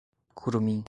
kurumin